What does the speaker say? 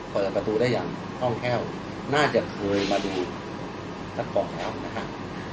เปิดประตูได้อย่างห้องแถวน่าจะเคยมาดูสัก๒แถวนะครับ